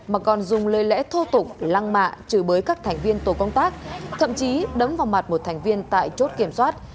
mà còn dùng lời lẽ thô tục lăng mạ chửi bới các thành viên tổ công tác thậm chí đấm vào mặt một thành viên tại chốt kiểm soát